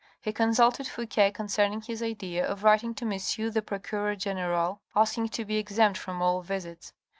He consulted Fouque concerning his idea of writing to M. the Procureur General asking to be exempt from all visits.